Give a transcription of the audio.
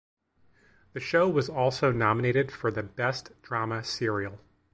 The show was also nominated for the Best Drama Serial.